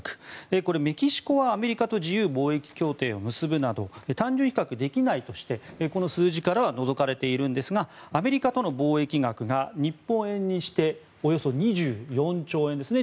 これ、メキシコはアメリカと自由貿易協定を結ぶなど単純比較できないとしてこの数字からは除かれていますがアメリカとの貿易額が日本円にしておよそ２４兆円ですね。